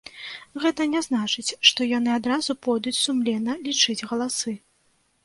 Гэта не значыць, што яны адразу пойдуць сумленна лічыць галасы.